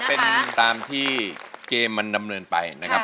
เป็นตามที่เกมมันดำเนินไปนะครับ